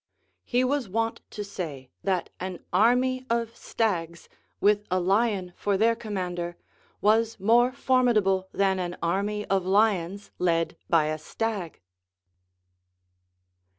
He was wont to say, that an army of staofs, with a lion for their commander, was more formidable than an army of lions led by a stag.